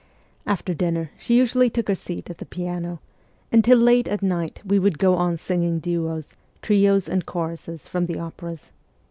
' After dinner she usually took her seat at the piano, and till late at night we would go on singing duos, trios, and choruses from the operas.